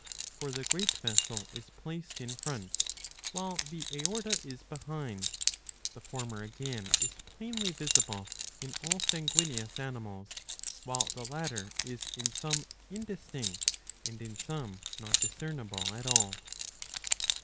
For the great vessel is placed in front, while the aorta is behind ; the former again is plainly visible in all sanguineous animals, while the latter is in some indistinct and in some not discernible at all.